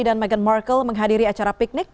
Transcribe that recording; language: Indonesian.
dan meghan markle menghadiri acara piknik